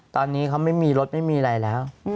ตอนนี้เขาไม่มีรถไม่มีอะไรแล้ว